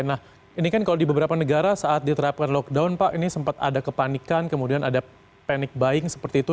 nah ini kan kalau di beberapa negara saat diterapkan lockdown pak ini sempat ada kepanikan kemudian ada panic buying seperti itu